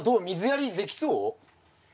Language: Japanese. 水やりできそう？